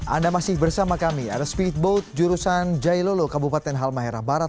anda masih bersama kami ada speedboat jurusan jailolo kabupaten halmahera barat